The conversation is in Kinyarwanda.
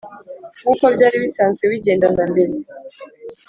nkuko byari bisanzwe bigenda na mbere,